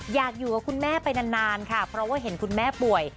อยากอยู่กับคุณแม่ไปนานค่ะเพราะว่าเห็นคุณแม่ป่วย